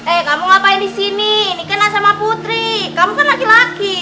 eh kamu ngapain di sini ini kena sama putri kamu kan laki laki